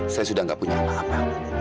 saya sudah tidak punya apa apa